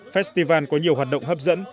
festival có nhiều hoạt động hấp dẫn